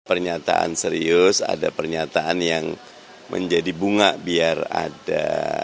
pernyataan serius ada pernyataan yang menjadi bunga biar ada